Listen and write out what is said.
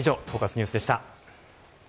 ニュースでした。